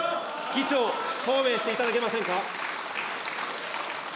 議長、答弁していただけませんか。